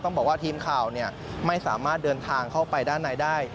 บอกว่าทีมข่าวไม่สามารถเดินทางเข้าไปด้านในได้